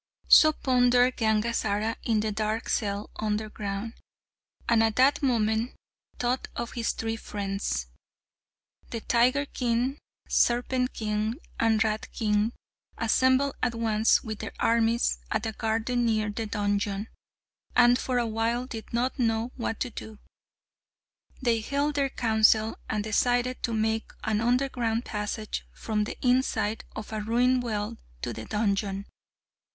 So pondered Gangazara in the dark cell underground, and at that moment thought of his three friends. The tiger king, serpent king, and rat king assembled at once with their armies at a garden near the dungeon, and for a while did not know what to do. They held their council, and decided to make an underground passage from the inside of a ruined well to the dungeon.